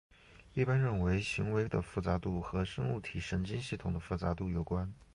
一般认为行为的复杂度和生物体神经系统的复杂度有关。